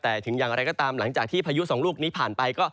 แต่ถึงอย่างไรก็ตามหลังจากที่พายุสองลูกนี้ผ่านไปก็